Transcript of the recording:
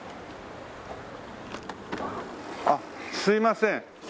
あっすいません。